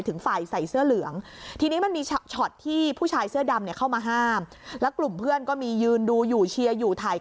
ทองได้เยอะเลยอ่ะอ๋อนี่ไอ้ที่เข้ามาแทงนี้อ่อต่อยนะ